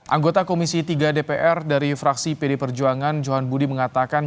anggota komisi tiga dpr dari fraksi pd perjuangan johan budi mengatakan